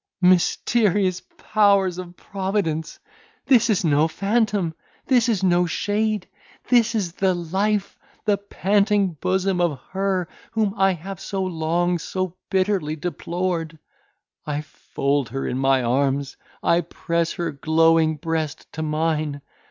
"Mysterious powers of Providence! this is no phantom! this is no shade! this is the life! the panting bosom of her whom I have so long, so bitterly deplored! I fold her in my arms! I press her glowing breast to mine!